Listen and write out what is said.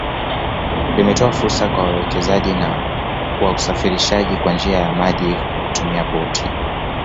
Limetoa fursa kwa wawekezaji wa usafirishaji kwa njia ya maji kwa kutumia boti